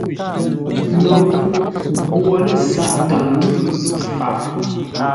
Ndou fuʼ ghwo lə́ sáʼ təʉ fáʼ.